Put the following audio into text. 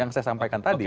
yang saya sampaikan tadi